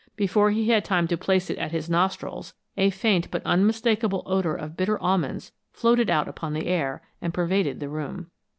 Before he had time to place it at his nostrils, a faint but unmistakable odor of bitter almonds floated out upon the air and pervaded the room.